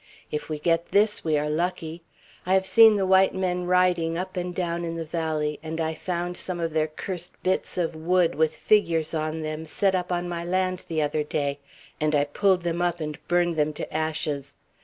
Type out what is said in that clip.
If we get this, we are lucky. I have seen the white men riding up and down in the valley, and I found some of their cursed bits of wood with figures on them set up on my land the other day; and I pulled them up and burned them to ashes.